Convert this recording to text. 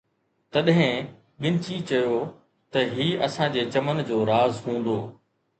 تڏهن گنچي چيو ته هي اسان جي چمن جو راز هوندو